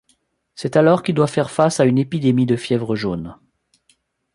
C’est alors qu’il doit faire face à une épidémie de fièvre jaune.